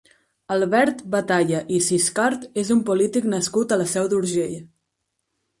Albert Batalla i Siscart és un polític nascut a la Seu d'Urgell.